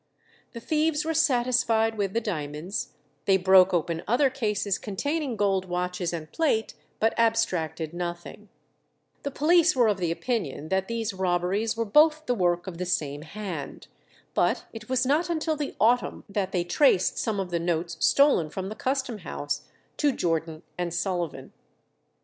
The thieves were satisfied with the diamonds; they broke open other cases containing gold watches and plate, but abstracted nothing. The police were of opinion that these robberies were both the work of the same hand. But it was not until the autumn that they traced some of the notes stolen from the Custom House to Jordan and Sullivan.